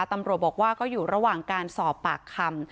ตำรวจบอกว่าก็อยู่ระหว่างการสอบปากคำ